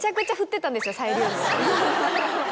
サイリウムを。